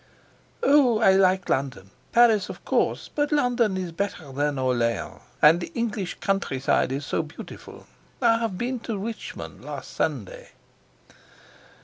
"Oh, I like London. Paris, of course. But London is better than Orleans, and the English country is so beautiful. I have been to Richmond last Sunday."